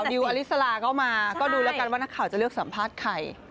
ดิวอลิสลาก็มาก็ดูแล้วกันว่านักข่าวจะเลือกสัมภาษณ์ใคร